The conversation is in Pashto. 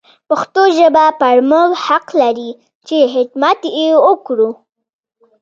پښتو ژبه پر موږ حق لري چې حدمت يې وکړو.